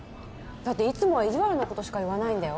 だっていつもは意地悪なことしか言わないんだよ